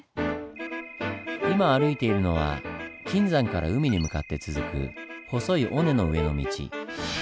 今歩いているのは金山から海に向かって続く細い尾根の上の道。